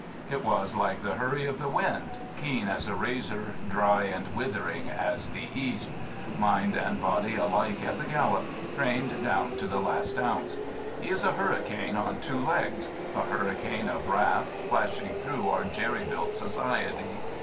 It was like the hurry qf the wind . Imen as a razor, dry ar^ withering as the east, Min^anSToTy aKe af ile gallop — ^trained down to the last ounce. He < is a hurricane on two legs — a hurricane of wrath flashing through our je|^ built society.